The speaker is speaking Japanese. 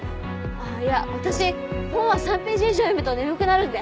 あっいや私本は３ページ以上読むと眠くなるんで。